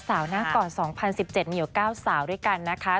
หน้าก่อน๒๐๑๗มีอยู่๙สาวด้วยกันนะคะ